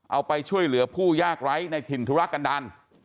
เอาไปช่วยเหลือผู้ยากไร้ในถิ่นธุรกันดาล